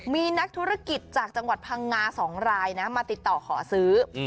มีนักธุรกิจจากจังหวัดพังงา๒รายนะมาติดต่อขอซื้อ